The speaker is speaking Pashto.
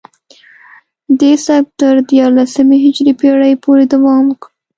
دې سبک تر دیارلسمې هجري پیړۍ پورې دوام وکړ